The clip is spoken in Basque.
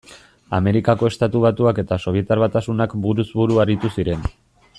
Amerikako Estatu Batuak eta Sobietar Batasunak buruz buru aritu ziren.